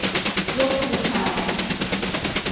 ยกธงขาว